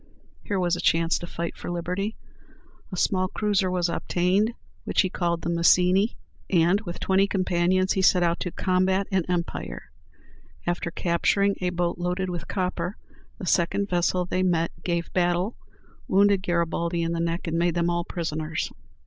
Here was a chance to fight for liberty. A small cruiser was obtained, which he called "The Mazzini," and, with twenty companions, he set out to combat an empire. After capturing a boat loaded with copper, the second vessel they met gave battle, wounded Garibaldi in the neck, and made them all prisoners.